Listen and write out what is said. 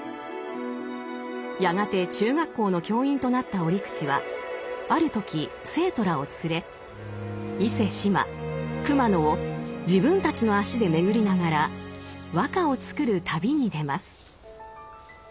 やがて中学校の教員となった折口はある時生徒らを連れ伊勢志摩熊野を自分たちの足で巡りながら和歌を作る旅に出ます。